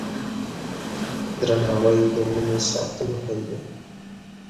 درناوی د مینې ساتونکی دی.